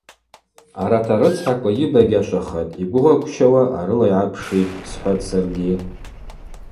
Арат арыцхӏаква йыбагьашвахатӏ, йгвыгъагвщауа арыла йгӏапшитӏ, – схӏватӏ саргьи.